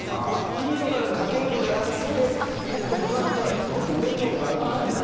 日々のだから、家計簿じゃなくって、もっとほかに、じゃあ、売れるものがあるんだと。